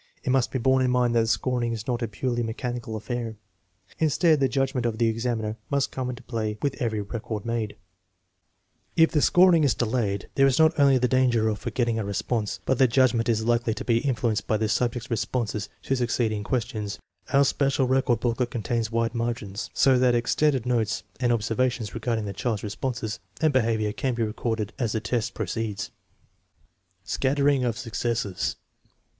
It must be borne in mind that the scoring is .not a purely mechanical affair. Instead, the judgment of the examiner must come into play with every record made. 134 THE MEASUREMENT OF INTELLIGENCE If the scoring is delayed, there is not only the danger of forgetting a response, but the judgment is likely to be influenced by the subject's responses to succeeding ques tions. Our special record booklet contains wide margins, so that extended notes and observations regarding the child's responses and behavior can be recorded as the test proceeds. Scattering of successes.